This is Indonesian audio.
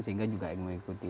sehingga juga yang mengikuti